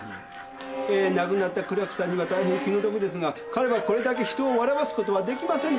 えー亡くなった苦楽さんには大変気の毒ですが彼はこれだけ人を笑わすことはできませんでした。